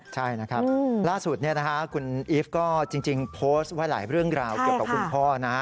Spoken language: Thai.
ใช่นะครับล่าสุดคุณอีฟก็จริงโพสต์ไว้หลายเรื่องราวเกี่ยวกับคุณพ่อนะ